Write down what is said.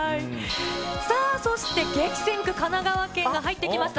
さあそして激戦区、神奈川県が入ってきました。